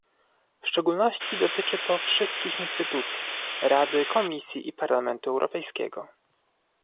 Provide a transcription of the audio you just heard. W szczególności dotyczy to wszystkich instytucji - Rady, Komisji i Parlamentu Europejskiego